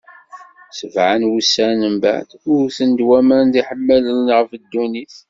Sebɛa n wussan mbeɛd, wten-d waman d iḥemmalen ɣef ddunit.